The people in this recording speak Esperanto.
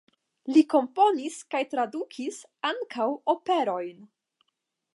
Li komponis kaj tradukis ankaŭ operojn.